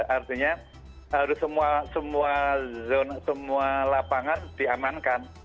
artinya harus semua lapangan diamankan